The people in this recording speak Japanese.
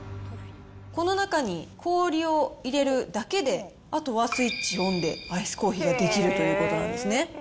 この中に氷を入れるだけで、あとはスイッチオンでアイスコーヒーが出来るということなんです